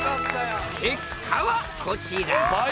結果はこちら倍！